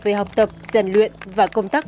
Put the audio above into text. về học tập giàn luyện và công tác